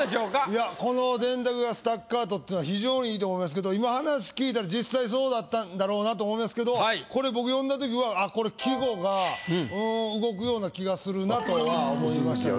いやこの電卓がスタッカートっていうのは非常に良いと思いますけど今話聞いたら実際そうだったんだろうなと思いますけどこれ僕読んだ時はこれ季語が動くような気がするなとは思いましたけど。